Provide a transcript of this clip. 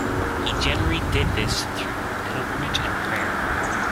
He generally did this through pilgrimage and prayer.